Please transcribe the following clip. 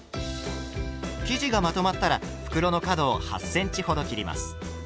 生地がまとまったら袋の角を８ｃｍほど切ります。